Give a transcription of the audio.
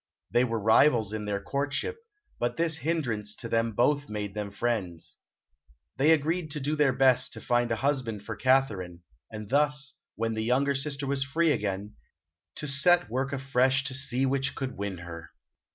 They were rivals in their courtship, but this hindrance to them both made them friends. They agreed to do their best to find a husband for Katharine, and thus, when the younger sister was free again, to set to work afresh to see which could win her.